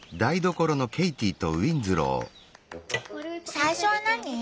最初は何？